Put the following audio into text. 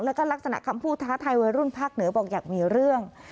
แล้วก็ลักษณะคำพูดท้าทายวัยรุ่นภาคเหนือบอกอยากมีเรื่อง